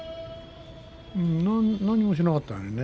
何もしなかったね。